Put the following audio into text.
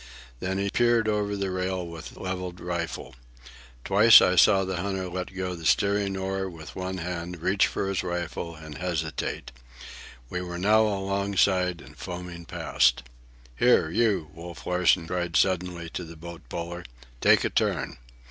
Then he peered over the rail with levelled rifle. Twice I saw the hunter let go the steering oar with one hand, reach for his rifle, and hesitate. We were now alongside and foaming past. "Here, you!" Wolf Larsen cried suddenly to the boat puller. "Take a turn!"